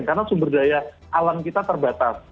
karena sumber daya alam kita terbatas